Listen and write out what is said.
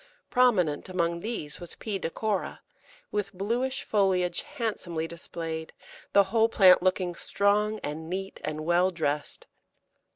Prominent among these was P. decora, with bluish foliage handsomely displayed, the whole plant looking strong and neat and well dressed.